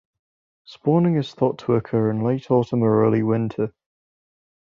Spawning is thought to occur in late autumn or early winter.